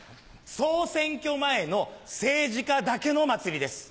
総選挙前の政治家だけの祭りです。